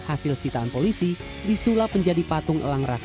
hasil sitaan polisi disulap menjadi patung elang raksa